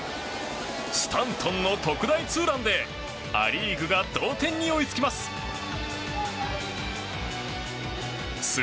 スタントンの特大ツーランでア・リーグが同点に追いつきます。